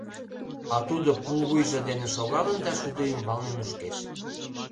А тудо пулвуйжо дене шогалын да шудо ӱмбалне нушкеш.